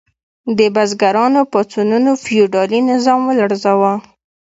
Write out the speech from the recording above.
د بزګرانو پاڅونونو فیوډالي نظام ولړزاوه.